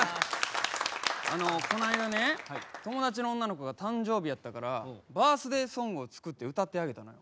あのこの間ね友達の女の子が誕生日やったからバースデーソングを作って歌ってあげたのよ。